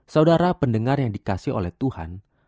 saudara pendengar yang dikasih oleh tuhan